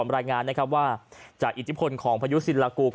รายงานว่าจากอิจิพลของพยุศิลากู